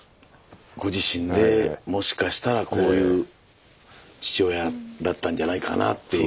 ご自身でもしかしたらこういう父親だったんじゃないかなっていう。